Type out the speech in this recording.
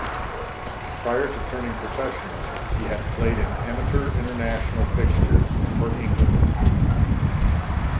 Prior to turning professional, he had played in amateur international fixtures for England.